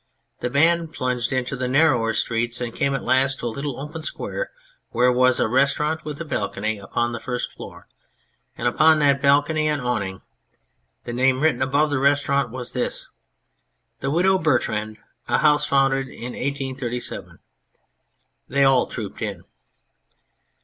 The band plunged into the narrower streets, and came at last to a little open square where was a restaurant with a balcony upon the first floor, and upon that balcony an awning. The name written above the restaurant was this : "The Widow Bertrand a house founded in 1837." They all trooped in.